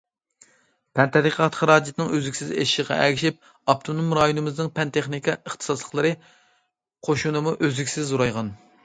پەن تەتقىقات خىراجىتىنىڭ ئۈزلۈكسىز ئېشىشىغا ئەگىشىپ، ئاپتونوم رايونىمىزنىڭ پەن- تېخنىكا ئىختىساسلىقلىرى قوشۇنىمۇ ئۈزلۈكسىز زورايغان.